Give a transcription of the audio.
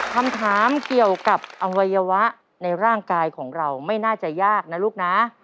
คำถามเกี่ยวกับอวัยวะในร่างกายของเราไม่น่าจะยากนะลูกนะ